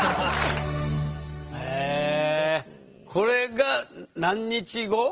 へえこれが何日後？